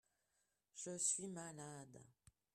Je suis malade.